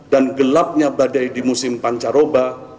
dan gelapnya badai di musim pancaroba